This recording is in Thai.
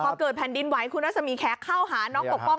พอเกิดแผ่นดินไหวคุณรัศมีแขกเข้าหาน้องปกป้อง